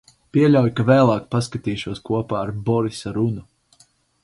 Pieļauju, ka vēlāk paskatīšos kopā ar Borisa runu.